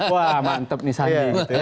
wah mantep nih sandi